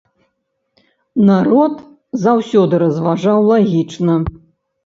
Народ заўсёды разважаў лагічна.